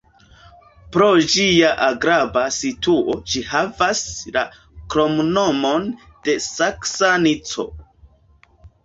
Pro ĝia agrabla situo ĝi havas la kromnomon de "Saksa Nico".